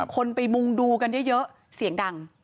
คนไปมุงดูกันเยอะเสียงดัง